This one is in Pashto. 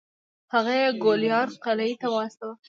هغه یې ګوالیار قلعې ته واستوه.